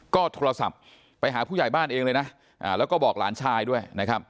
ก็โทรศัพท์ไปหาผู้ใหญ่บ้านเองเลยนะแล้วก็บอกหลานชายด้วยนะครับ